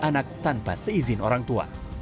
anak tanpa seizin orang tua